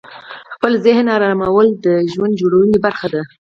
خپل ذهن آرامول د ژوند جوړونې برخه ده.